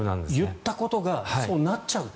言ったことがそうなっちゃうと。